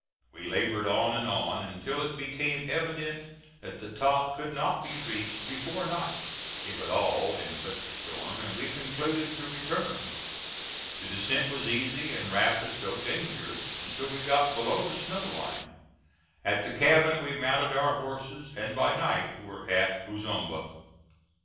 We labored on and on, until it became evident that the top could not be reached before night, if at all in such a storm, and we concluded to return. The descent was easy and rapid, though dangerous, until we got below the snow line. At the cabin we mounted our horses, and by night were at Ozumba.